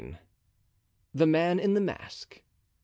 The Man in the Mask.